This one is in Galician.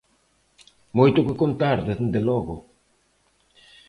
Moito que contar dende logo.